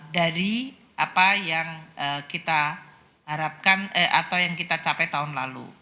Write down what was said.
dari apa yang kita harapkan atau yang kita capai tahun lalu